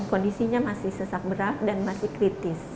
kondisinya masih sesak berat dan masih kritis